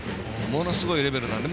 ものすごいレベルなので。